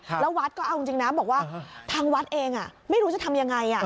แล้ววัดก็เอาจริงนะบอกว่าทางวัดเองไม่รู้จะทำยังไง